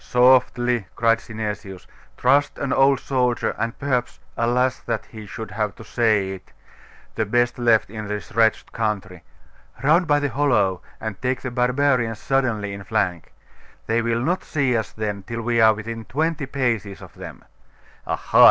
'Softly!' cried Synesius. 'Trust an old soldier, and perhaps alas! that he should have to say it the best left in this wretched country. Round by the hollow, and take the barbarians suddenly in flank. They will not see us then till we are within twenty paces of them. Aha!